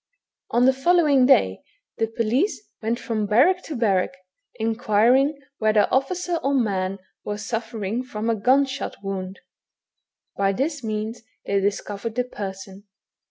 On the following day, the police went from barrack THE HUMAN HYJENA. 257 to barrack, inquiring whether officer or man were suffer ing from a gun shot wound. By this means they dis covered the person.